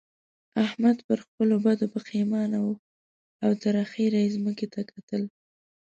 احمد پر خپلو بدو پېښمانه وو او تر اخېره يې ځمکې ته کتل.